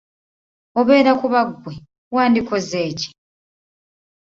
Obeera kuba ggwe, wandikoze ki?